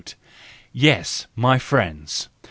Yes, my friends!